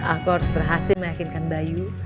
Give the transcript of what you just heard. aku harus berhasil meyakinkan bayu